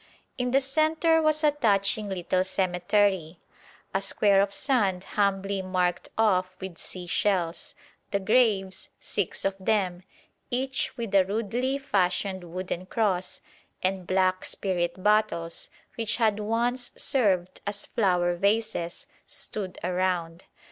In the centre was a touching little cemetery; a square of sand humbly marked off with sea shells; the graves six of them each with a rudely fashioned wooden cross; and black spirit bottles, which had once served as flower vases, stood around.